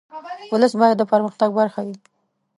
ولس باید د پرمختګ برخه وي.